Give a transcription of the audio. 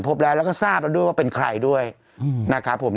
พบแล้วแล้วก็ทราบแล้วด้วยว่าเป็นใครด้วยนะครับผม